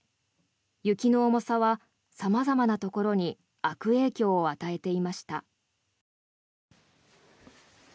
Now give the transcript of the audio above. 雪の重さは様々なところに悪影響を与えていました。